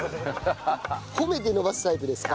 褒めて伸ばすタイプですか？